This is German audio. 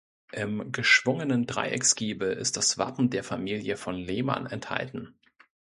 Im geschwungenen Dreiecksgiebel ist das Wappen der Familie von Lehmann enthalten.